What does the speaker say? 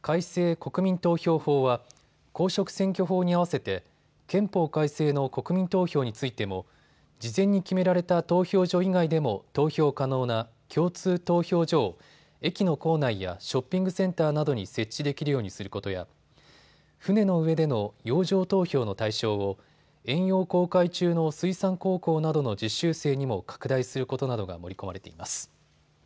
国民投票法は公職選挙法にあわせて憲法改正の国民投票についても事前に決められた投票所以外でも投票可能な共通投票所を駅の構内やショッピングセンターなどに設置できるようにすることや船の上での洋上投票の対象を遠洋航海中の水産高校などの実習生にも拡大することなどが盛り込まれています。